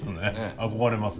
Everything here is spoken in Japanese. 憧れますね。